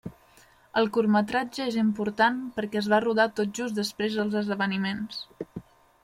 El curtmetratge és important perquè es va rodar tot just després dels esdeveniments.